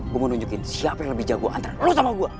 gue mau nunjukin siapa yang lebih jago antara lo sama gue